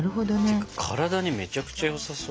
ってか体にめちゃくちゃよさそう。